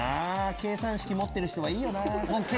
計算式持ってる人はいいよな！